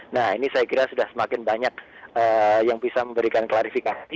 nah ini saya kira sudah semakin banyak yang bisa memberikan klarifikasi